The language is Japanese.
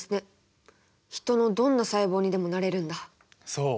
そう。